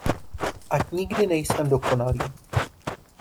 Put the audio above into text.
Ať nikdy nejsem dokonalý!